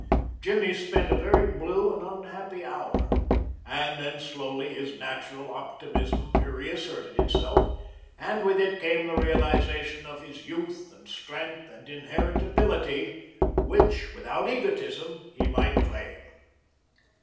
Jimmy spent a very blue and unhappy hour, and then slowly his natural optimism reasserted itself, and with it came the realization of his youth and strength and inherent ability, which, without egotism, he might claim.